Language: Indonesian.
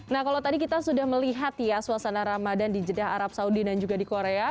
nah kalau tadi kita sudah melihat ya suasana ramadan di jeddah arab saudi dan juga di korea